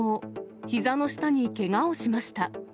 ひざの下にけがをしました。